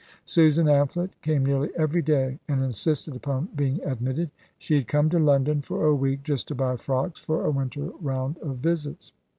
Susan Amphlett came nearly every day, and insisted upon being admitted. She had come to London for a week, just to buy frocks for a winter round of visits.